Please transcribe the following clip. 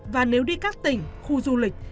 và nếu đi các tỉnh khu du lịch